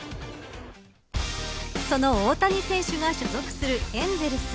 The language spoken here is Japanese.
その大谷選手が所属するエンゼルス。